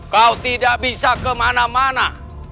kau tidak bisa kemana mana